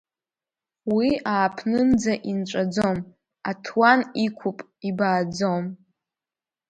Уи ааԥнынӡа инҵәаӡом, аҭуан иқәуп, ибааӡом.